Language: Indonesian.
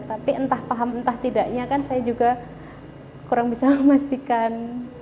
tapi entah paham entah tidaknya kan saya juga kurang bisa memastikan